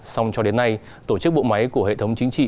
xong cho đến nay tổ chức bộ máy của hệ thống chính trị